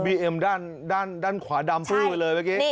เอ็มด้านขวาดำฟื้ไปเลยเมื่อกี้